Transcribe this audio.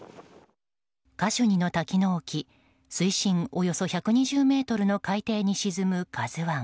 カシュニの滝の沖水深およそ１２０ｍの海底に沈む「ＫＡＺＵ１」。